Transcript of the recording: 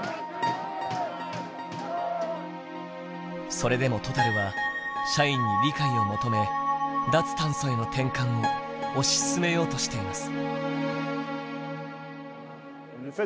それでもトタルは社員に理解を求め脱炭素への転換を推し進めようとしています。